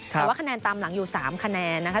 แต่ว่าคะแนนตามหลังอยู่๓คะแนนนะคะ